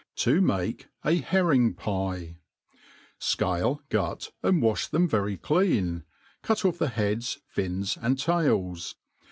To make a Herring' Pie. SCALE, gut, and waih them very clean, cut off the heads» £ns, and tails.